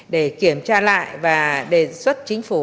để kiểm tra lại và đề xuất chính phủ